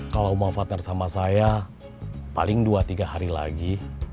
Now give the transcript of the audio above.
kalau mau partner sama saya paling dua tiga hari lagi